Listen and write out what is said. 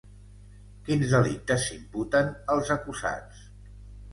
Quins delictes s'imputen als acusats?